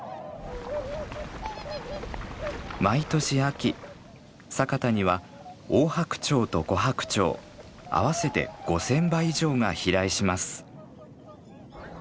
毎年秋佐潟にはオオハクチョウとコハクチョウ合わせて５，０００羽以上が飛来します。